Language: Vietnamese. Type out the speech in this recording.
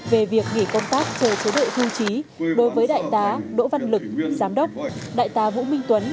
về việc nghỉ công tác cho chế đội thư trí đối với đại tá đỗ văn lực giám đốc đại tá vũ minh tuấn